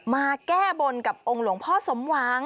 มาแก้บนกับองค์หลวงพ่อสมหวัง